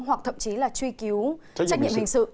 hoặc thậm chí là truy cứu trách nhiệm hình sự